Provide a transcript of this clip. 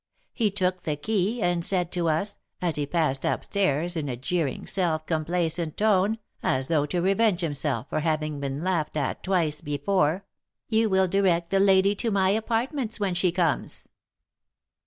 He took the key, and said to us, as he passed up stairs, in a jeering, self complacent tone, as though to revenge himself for having been laughed at twice before, 'You will direct the lady to my apartments when she comes.'